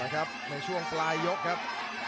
เอาละครับในช่วงสลายยกครับ